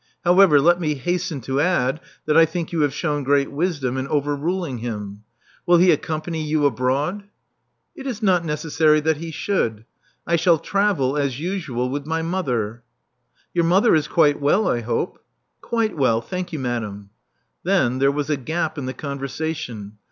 ''How ever, let me hasten to add that I think you have shewn great wisdom in overruling him. Will he accompany you abroad?*' "It is not necessary that he should, I shall travel, as usual, with my mother," Your mother is quite well, I hope?" '* Quite well, thank you, madame." Then there was a gap in the conversation.